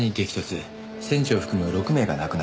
船長を含む６名が亡くなっています。